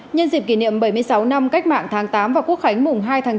nhân dịp kỷ niệm bảy mươi sáu năm cách mạng tháng tám và quốc khánh mùng hai tháng chín